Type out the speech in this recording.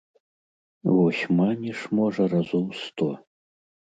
Вось маніш, можа, разоў сто.